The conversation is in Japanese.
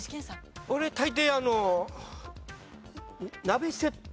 俺大抵あの鍋セット。